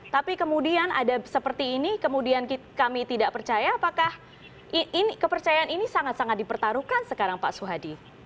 tapi kemudian ada seperti ini kemudian kami tidak percaya apakah kepercayaan ini sangat sangat dipertaruhkan sekarang pak suhadi